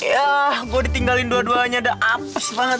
yah gue ditinggalin dua duanya dah apas banget